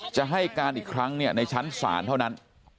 จะให้การอีกครั้งในชั้นศาลเท่านั้น